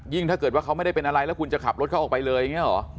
ถ้าเกิดว่าเขาไม่ได้เป็นอะไรแล้วคุณจะขับรถเขาออกไปเลยอย่างนี้หรอ